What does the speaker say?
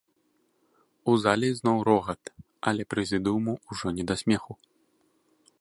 У зале ізноў рогат, але прэзідыуму ўжо не да смеху.